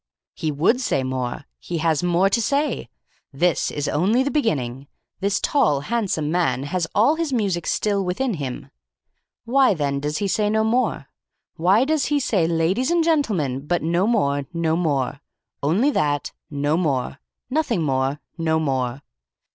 "He would say more. He has more to say. This is only the beginning. This tall, handsome man has all his music still within him. "Why, then, does he say no more? Why does he say 'Ladies and Gentlemen,' but no more? No more. Only that. No more. Nothing more. No more.